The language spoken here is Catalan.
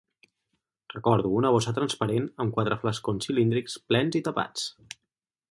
Recordo una bossa transparent amb quatre flascons cilíndrics plens i tapats.